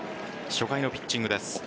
初回のピッチングです。